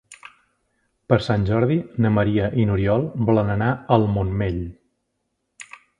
Per Sant Jordi na Maria i n'Oriol volen anar al Montmell.